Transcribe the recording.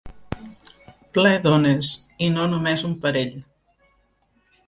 Ple d'ones, i no només un parell.